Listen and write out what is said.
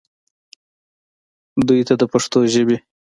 دوي ته د پښتو ژبې